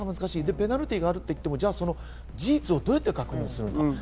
ペナルティーがあるといっても、事実をどうやって確認するか。